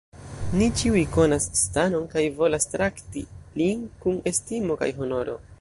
Ni ĉiuj konas Stanon kaj volas trakti lin kun estimo kaj honoro.